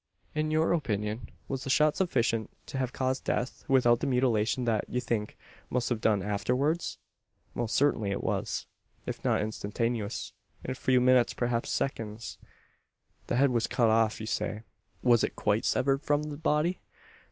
"In your opinion, was the shot sufficient to have caused death, without the mutilation that, you think, must have been done afterwards?" "Most certainly it was. If not instantaneous, in a few minutes perhaps seconds." "The head was cut off, you say. Was it quite severed from the body?"